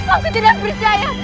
aku tidak percaya